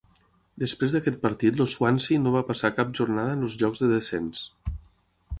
Després d'aquest partit el Swansea no va passar cap jornada en els llocs de descens.